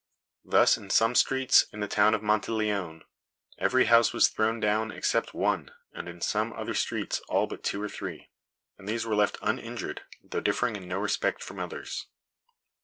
Thus, in some streets in the town of Monteleone, every house was thrown down, except one, and in some other streets all but two or three;" and these were left uninjured, though differing in no respect from others.